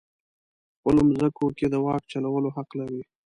په خپلو مځکو کې د واک چلولو حق لري.